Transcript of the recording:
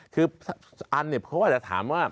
คืออันเนี่ยเขาก็จะถามว่า